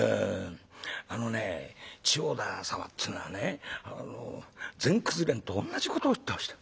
「あのね千代田様っつうのはねあの全くず連とおんなじことを言ってました。